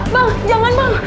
bang jangan bang